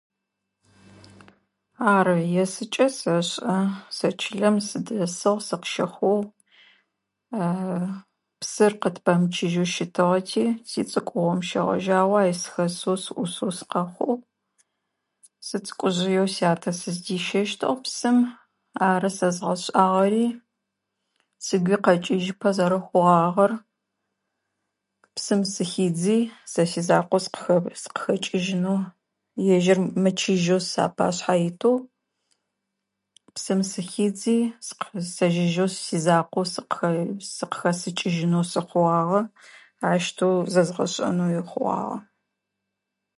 Ары, есыкӏэ сэшӏэ. Сэ чылэм сыдэсыгъ, сыкъыщыхъугъ. Псыр къытпэмычъыжьэу щытыгъэти сицӏыкӏугъэм щэгъэжьагъэу ай сыхэсэу, сыӏусэу сыкъэхъугъ. Сы цӏыкӏужъыеу сятэ сыздищэщтыгъ псым. Ары сэзгъэшӏагъэри. Сыгуи къэкӏыжьыпэ зэрэхъугъагъэр. Псым сыхидзи, сэ сизакъоу сыкъы сыкъыхэкӏыжьынэу. Ежьыр мы чъыжьэу сэпашъхьэ итэу. Псым сыхидзи, сыкъ сэжьэжьэу сизакъоу сыкъы сыкъыхэсыкӏыжьынэу сыхъугъагъэ. Ащтэу зэзгъэшӏэнэуи хъугъагъэ.